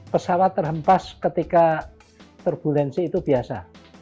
pesawat terhempas ketika turbulensi itu biasa